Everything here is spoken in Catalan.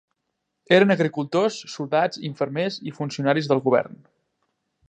Eren agricultors, soldats, infermers i funcionaris del govern.